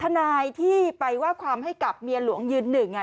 ทนายที่ไปว่าความให้กับเมียหลวงยืนหนึ่ง